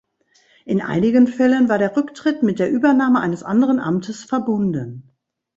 In einigen Fällen war der Rücktritt mit der Übernahme eines anderen Amtes verbunden.